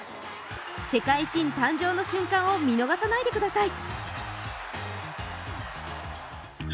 世界新誕生の瞬間を見逃さないでください。